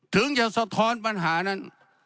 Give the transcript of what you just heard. ถึงจะสะท้อนปัญหานั้น